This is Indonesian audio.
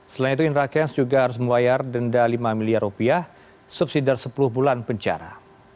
selain itu indra kents juga harus membayar denda lima miliar rupiah subsidi dari sepuluh bulan penjara